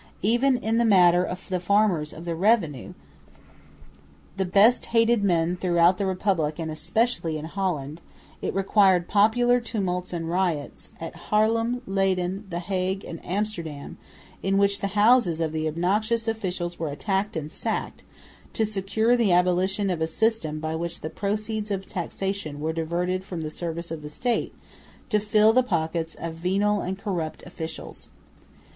Even in the matter of the farmers of the revenue, the best hated men throughout the Republic and especially in Holland, it required popular tumults and riots at Haarlem, Leyden, the Hague and Amsterdam, in which the houses of the obnoxious officials were attacked and sacked, to secure the abolition of a system by which the proceeds of taxation were diverted from the service of the State to fill the pockets of venal and corrupt officials.